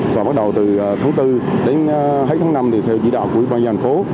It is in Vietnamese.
và bắt đầu từ tháng bốn đến hết tháng năm thì theo chỉ đạo của quân gia đình phố